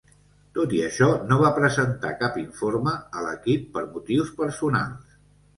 Tot i això, no va presentar cap informe a l'equip per motius personals.